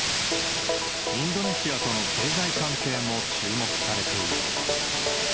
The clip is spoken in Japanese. インドネシアとの経済関係も注目されている。